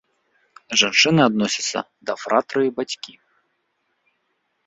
Жанчыны адносяцца да фратрыі бацькі.